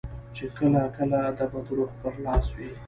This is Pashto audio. چې کله کله د بد روح پر لاس وي.